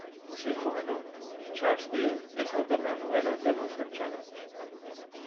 Y su hijo menor, Charles Gill, es autor de la novela "The Boozer Challenge".